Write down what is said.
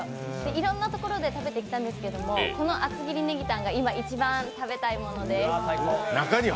いろんなところで食べてきたんですけどこの厚切りネギタンが今、一番食べたいものです。